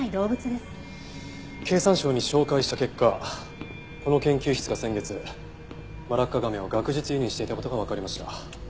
経産省に照会した結果この研究室が先月マラッカガメを学術輸入していた事がわかりました。